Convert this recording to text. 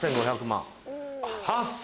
８５００万。